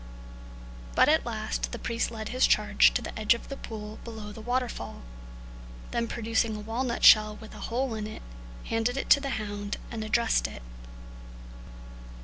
But at last the priest led his charge to the edge of the pool below the waterfall, then producing a walnut shell with a hole in it, handed it to the hound and addressed it.